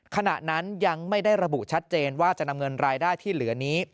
ขณะนั้นยังไม่ได้ระบุชัดเจนว่าจะนำเงินรายได้ที่เหลือนี้